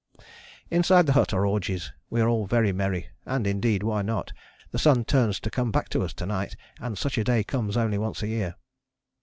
Inside the hut are orgies. We are very merry and indeed why not? The sun turns to come back to us to night, and such a day comes only once a year.